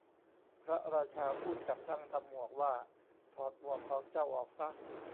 พระราชาพูดกับช่างทำหมวกว่า ถอดหมวกของเจ้าออกซะ !